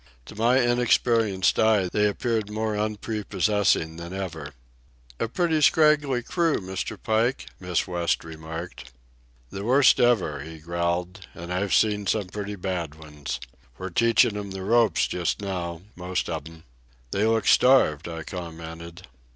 To my inexperienced eye they appeared more unprepossessing than ever. "A pretty scraggly crew, Mr. Pike," Miss West remarked. "The worst ever," he growled, "and I've seen some pretty bad ones. We're teachin' them the ropes just now—most of 'em." "They look starved," I commented.